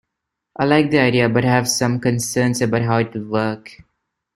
I like the idea but have some concerns about how it will work.